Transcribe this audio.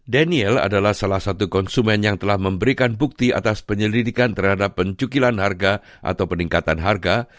daniel adalah salah satu konsumen yang telah memberikan bukti atas penyelidikan terhadap pencucian harga atau peningkatan harga